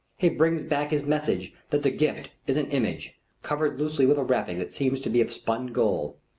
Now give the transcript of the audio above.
He brings back his message that the gift is an image, covered loosely with a wrapping that seems to be of spun gold.